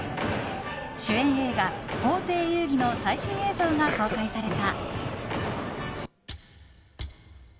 主演映画「法廷遊戯」の最新映像が公開された。